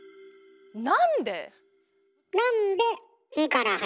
なんで？